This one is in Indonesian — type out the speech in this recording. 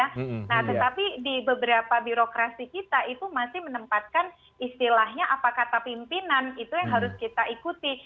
nah tetapi di beberapa birokrasi kita itu masih menempatkan istilahnya apa kata pimpinan itu yang harus kita ikuti